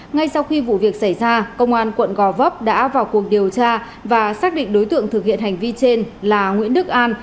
ngay sau khi vụ việc xảy ra công an quận gò vấp đã vào cuộc điều tra và xác định đối tượng thực hiện hành vi trên là nguyễn đức an